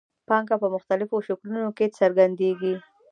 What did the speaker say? پانګه په مختلفو شکلونو کې څرګندېږي